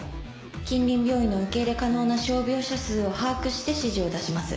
近隣病院の受け入れ可能な傷病者数を把握して指示を出します。